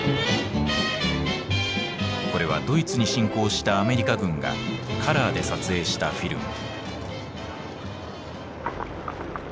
これはドイツに侵攻したアメリカ軍がカラーで撮影したフィルム。